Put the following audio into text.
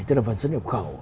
tức là phần xuất nhập khẩu